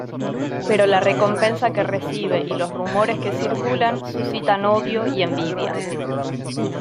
Pero la recompensa que recibe y los rumores que circulan suscitan odio y envidias.